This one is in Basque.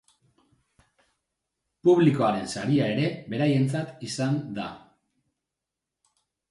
Publikoaren saria ere beraientzat izan da.